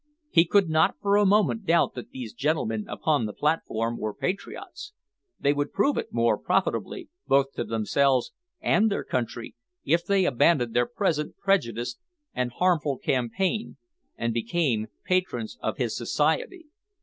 He could not for a moment doubt that these gentlemen upon the platform were patriots. They would prove it more profitably, both to themselves and their country, if they abandoned their present prejudiced and harmful campaign and became patrons of his Society.